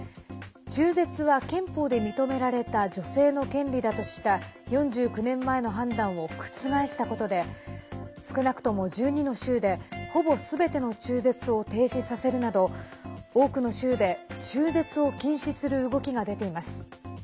中絶は憲法で認められた女性の権利だとした４９年前の判断を覆したことで少なくとも１２の州でほぼすべての中絶を停止させるなど多くの州で中絶を禁止する動きが出ています。